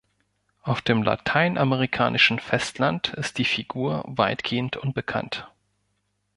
Auf dem lateinamerikanischen Festland ist die Figur weitgehend unbekannt.